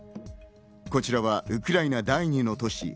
こちらはウクライナ第２の都市